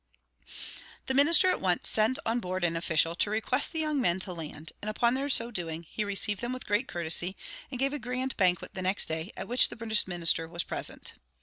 The minister at once sent on board an official, to request the young men to land; and upon their so doing, he received them with great courtesy, and gave a grand banquet the next day, at which the British minister was present.